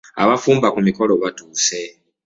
Abafumba ku mikolo batuuse.